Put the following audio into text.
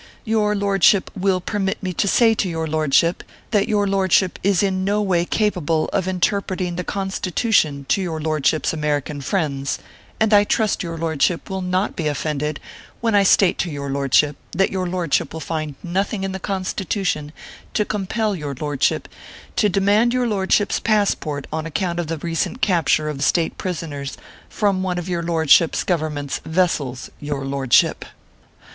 Your lordship will permit me to say to your lordship, that your lordship is in no way capable of interpreting the Constitution to your lordship s American friends ; and I trust your lordship will not be offended when I ORPHEUS C. KEKR PAPERS. 135 state to your lordship, that your lordship will find nothing in the Constitution to compel your lordship to demand your lordship s passport on account of the recent capture of State prisoners from one of your lordship s government s vessels, your lordship."